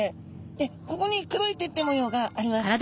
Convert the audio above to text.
でここに黒い点々模様があります。